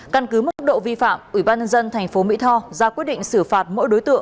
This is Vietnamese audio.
căn cứ mức độ vi phạm ủy ban dân dân thành phố mỹ tho ra quyết định xử phạt mỗi đối tượng một mươi năm triệu đồng